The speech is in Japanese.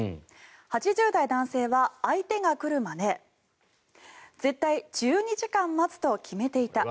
８０代男性は相手が来るまで絶対１２時間待つと決めていた。